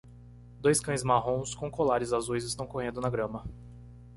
Dois cães marrons com colares azuis estão correndo na grama